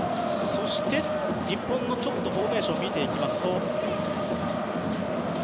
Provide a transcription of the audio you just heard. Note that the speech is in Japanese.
そして日本のフォーメーションを見ていきますと。